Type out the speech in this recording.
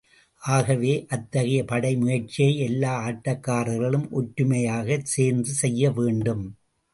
ஆகவே, அத்தகைய படை முயற்சியை எல்லா ஆட்டக்காரர்களும் ஒற்றுமையாக சேர்ந்து செய்ய வேண்டும்.